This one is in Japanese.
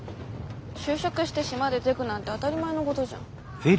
就職して島出でぐなんて当たり前のごどじゃん。